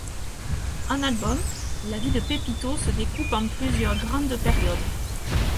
En album, la vie de Pépito se découpe en plusieurs grandes périodes.